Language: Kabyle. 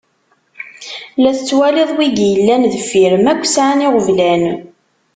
La tettwaliḍ wigi yellan ddeffir-m akk sɛan iɣeblan.